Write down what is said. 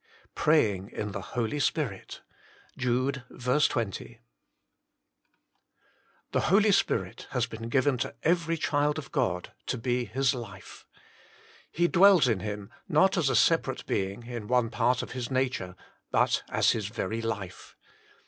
"Praying in the Holy Spirit." JUDE 20. rnHE Holy Spirit has been given to every child of God to be his life. He dwells in him, not as a separate Being in one part of his nature, but as his very life.